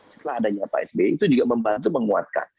setelah adanya pak sby itu juga membantu menguatkan